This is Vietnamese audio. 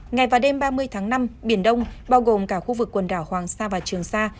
ngày và đêm ba mươi tháng năm biển đông bao gồm cả khu vực quần đảo hoàng sa và trường sa